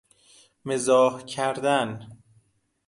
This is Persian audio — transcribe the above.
مزاح کردن